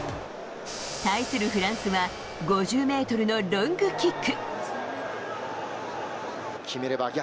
対するフランスは５０ｍのロングキック。